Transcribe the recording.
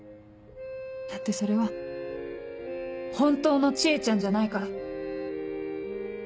だってそれは本当の知恵ちゃんじゃないから。